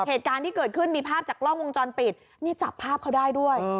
เหตุการณ์ที่เกิดขึ้นมีภาพจากกล้องวงจรปิดนี่จับภาพเขาได้ด้วย